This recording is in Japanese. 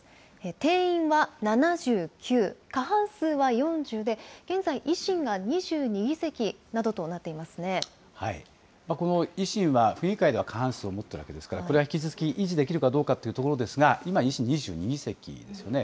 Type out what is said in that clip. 定員は７９、過半数は４０で、現在、維新が２２議席などとなってこの維新は、府議会では過半数を持ってるわけですから、これは引き続き、維持できるかどうかというところですが、今、維新２２議席ですよね。